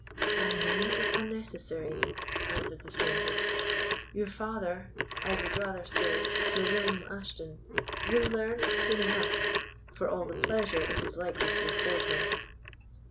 "My name is unnecessary," answered the stranger; "your father—I would rather say Sir William Ashton—will learn it soon enough, for all the pleasure it is likely to afford him."